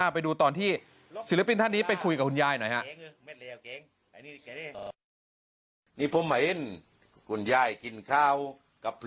ไปดูตอนที่ศิลปินท่านนี้ไปคุยกับคุณยายหน่อยครับ